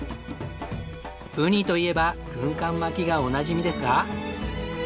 ウニといえば軍艦巻きがおなじみですが。